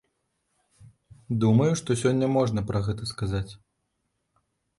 Думаю, што сёння можна пра гэта сказаць.